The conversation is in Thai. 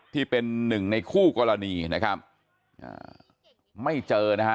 ที่เป็น๑ในคู่กรณีไม่เจอนะฮะ